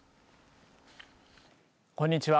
こんにちは。